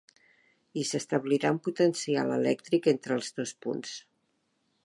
I s'establirà un potencial elèctric entre els dos punts.